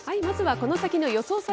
まずはこの先の予想